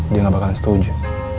dia gak bakalan setuju